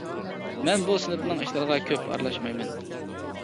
مەن بۇ سىنىپنىڭ ئىشلىرىغا كۆپ ئارىلاشمايمەن.